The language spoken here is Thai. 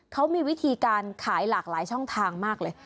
เขามีวิธีการขายหลากหลายช่องทางมากเลย